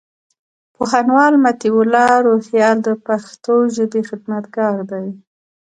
پوهنوال مطيع الله روهيال د پښتو ژبي خدمتګار دئ.